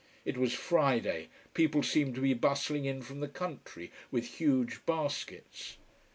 It was Friday: people seemed to be bustling in from the country with huge baskets.